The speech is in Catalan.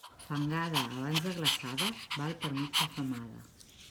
Fangada abans de glaçada val per mitja femada.